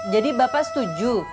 jadi bapak setuju